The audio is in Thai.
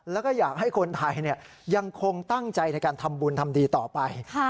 แล้วก็อยากให้คนไทยยังคงตั้งใจในการทำบุญทำดีต่อไป